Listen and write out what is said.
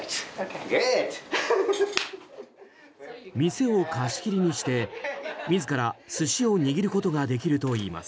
店を貸し切りにして自ら寿司を握ることができるといいます。